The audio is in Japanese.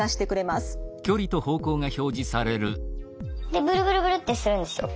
でブルブルブルってするんですよ。